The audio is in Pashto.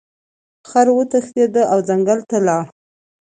خر وتښتید او ځنګل ته لاړ.